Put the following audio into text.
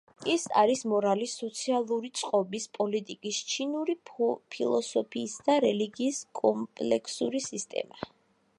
ის არის მორალის, სოციალური წყობის, პოლიტიკის, ჩინური ფილოსოფიის და რელიგიის კომპლექსური სისტემა.